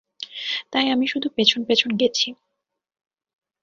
তাই আমি শুধু পেছন পেছন গেছি।